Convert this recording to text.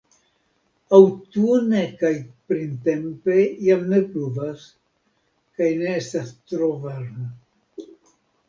Aŭtune kaj printempe jam ne pluvas kaj ne estas tro varma.